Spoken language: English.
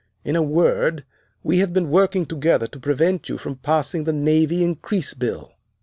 In a word, we have been working together to prevent you from passing the Navy Increase Bill."